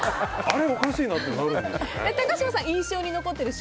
あれ、おかしいな？ってなる。